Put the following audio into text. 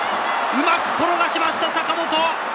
うまく転がしました坂本！